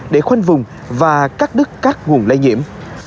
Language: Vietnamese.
để khoanh vùng và cắt đứt các nguồn lây nhiễm